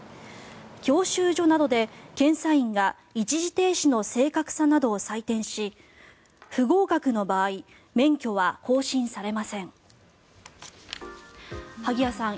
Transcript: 教習所などで検査員が一時停止の正確さなどを採点し不合格の場合免許は更新されません。